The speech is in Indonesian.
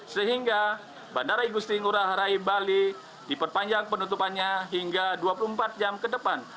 sehingga bandara igusti ngurah rai bali diperpanjang penutupannya hingga dua puluh empat jam ke depan